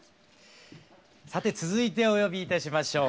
さて続いてお呼び致しましょう。